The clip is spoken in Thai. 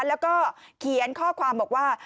แล้วก็เขียนข้อความบอกว่า